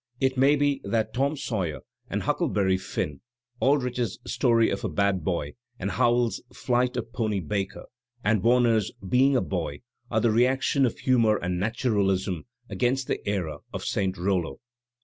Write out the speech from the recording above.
It may be that "Tom Sawyer" and "Huck leberry Finn," Aldrich's "Story of a Bad Boy," Howells's "Flight of Pony Baker," and Warner's "Being a Boy" are the reaction of humour and naturalism against the era of St Hollo.